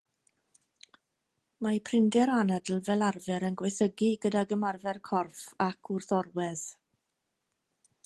Mae prinder anadl fel arfer yn gwaethygu gydag ymarfer corff ac wrth orwedd.